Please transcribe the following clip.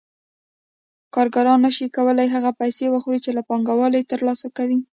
کارګران نشي کولای هغه پیسې وخوري چې له پانګوال یې ترلاسه کوي